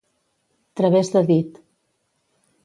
Través de dit.